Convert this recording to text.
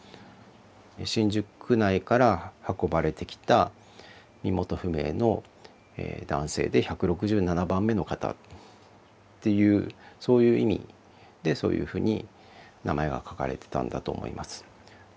新宿区内から運ばれてきた身元不明の男性で１６７番目の方っていうそういう意味でそういうふうに名前が書かれてたんだと思います。